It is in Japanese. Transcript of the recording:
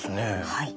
はい。